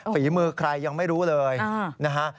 ฝีมือใครยังไม่รู้เลยนะฮะ